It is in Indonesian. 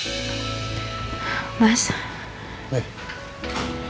keren sudah tidur gimana gimana keren sumarno sekarang